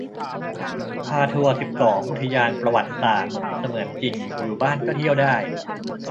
พาทัวร์ สิบสอง อุทยานประวัติศาสตร์เสมือนจริง อยู่บ้านก็เที่ยวได้